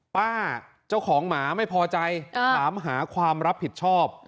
เจ้าของหมาไม่พอใจถามหาความรับผิดชอบ